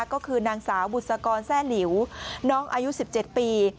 ก็คือนางสาวบุษกรแทร่หลิวน้องอายุ๑๗ปี